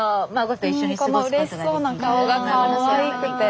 スタジオこのうれしそうな顔がかわいくて。